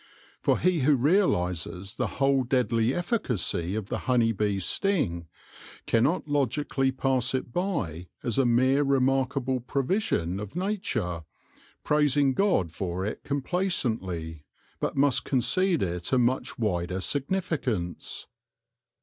For he who realises the whole deadly efficacy of the honey bee's sting cannot logi cally pass it by as a mere remarkable provision of nature, praising God for it complacently, but must concede it a much wider significance.